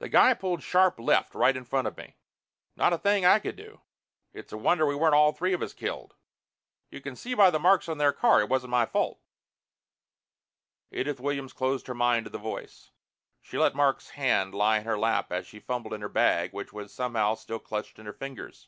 The guy pulled sharp left right in front of me. Not a thing I could do. It's a wonder we weren't all three of us killed. You can see by the marks on their car it wasn't my fault " Edith Williams closed her mind to the voice. She let Mark's hand lie in her lap as she fumbled in her bag, which was somehow still clutched in her fingers.